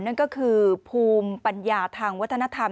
นั่นก็คือภูมิปัญญาทางวัฒนธรรม